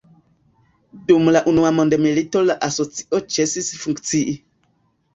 Dum la Unua Mondmilito la Asocio ĉesis funkcii.